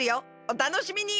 おたのしみに。